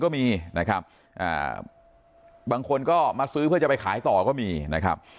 ก็มีนะครับบางคนก็มาซื้อเพื่อจะไปขายต่อก็มีนะครับ